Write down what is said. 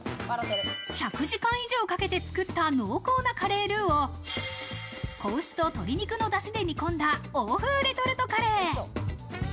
１００時間以上かけて作った濃厚なカレールーを仔牛と鶏肉のダシで煮込んだ欧風レトルトカレー。